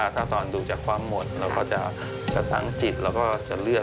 ถ้าตอนดูจากความหมดเราก็จะตั้งจิตแล้วก็จะเลือก